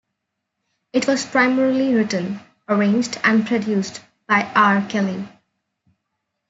It was primarily written, arranged, and produced by R. Kelly.